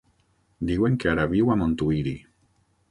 Diuen que ara viu a Montuïri.